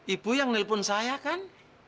ibu yang nelpon saya kan